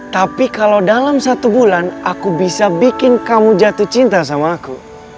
tapi kalau dalam satu bulan aku bisa bikin kamu jatuh cinta sama aku